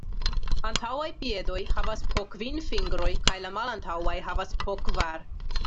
Antaŭaj piedoj havas po kvin fingroj kaj la malantaŭaj havas po kvar.